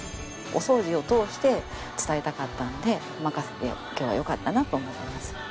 お掃除を通して伝えたかったんで任せて今日はよかったなと思ってます。